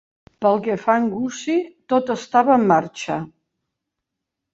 Pel que fa a en Gussie, tot estava en marxa.